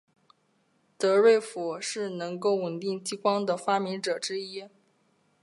德瑞福是能够稳定激光的的发明者之一。